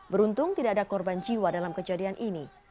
beruntung tidak ada korban jiwa dalam kejadian ini